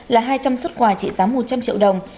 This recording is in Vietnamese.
là hai trăm linh xuất quà trị giá một trăm linh triệu đồng